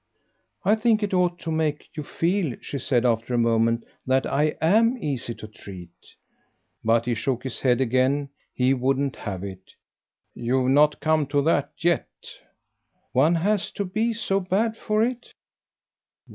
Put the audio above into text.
"I think it ought to make you feel," she said after a moment, "that I AM easy to treat." But he shook his head again; he wouldn't have it. "You've not come to that YET." "One has to be so bad for it?"